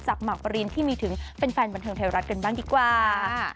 หมากปรินที่มีถึงเป็นแฟนบันเทิงไทยรัฐกันบ้างดีกว่า